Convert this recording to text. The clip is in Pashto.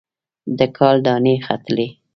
د کال دانې ختلي